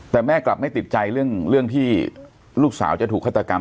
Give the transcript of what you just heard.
แต่แม่กลับไม่ติดใจเรื่องที่ลูกสาวจะถูกฆาตกรรม